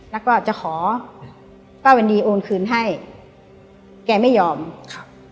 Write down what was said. แล้วก็จะขอป้าวันดีโอนคืนให้แกไม่ยอมครับ